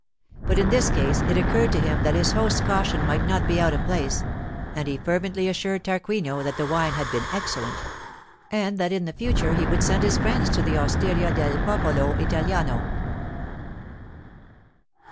But in this case it occurred to him that his host's caution might not be out of place; and he fervently assured Tarquinio that the wine had been excellent, and that in the future he would send his friends to the Osteria del Popolo Italiano.